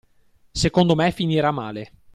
Secondo me finirà male.